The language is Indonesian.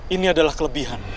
ini adalah kelebihan untuk kita